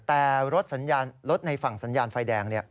แต่รถในฝั่งสัญญาณไฟแดง